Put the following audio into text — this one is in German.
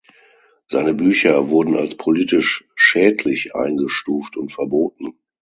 Seine Bücher wurden als politisch schädlich eingestuft und verboten.